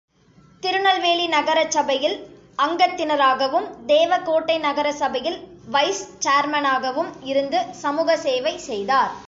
திருநெல்வேலி நகரசபையில் அங்கத்தினராகவும், தேவ கோட்டை நகர சபையில் வைஸ்சேர்மனகவும் இருந்து சமூக சேவை செய்தார்.